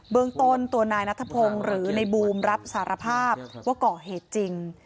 เมืองต้นตัวนายนัทพงศ์หรือในบูมรับสารภาพว่าก่อเหตุจริง